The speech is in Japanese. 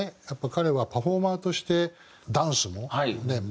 やっぱ彼はパフォーマーとしてダンスもね